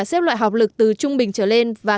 xếp loại học lực từ trung bình trở lên và